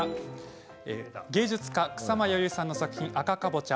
芸術家・草間彌生さんの作品「赤かぼちゃ」